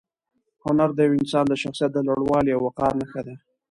هنر د یو انسان د شخصیت د لوړوالي او وقار نښه ده.